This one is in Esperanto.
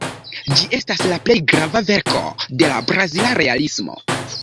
Ĝi estas la plej grava verko de la brazila Realismo.